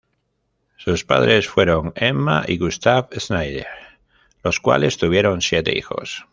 Sus padres fueron Emma y Gustav Schneider los cuales tuvieron siete hijos.